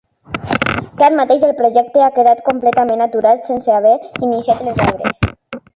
Tanmateix, el projecte ha quedat completament aturat sense haver iniciat les obres.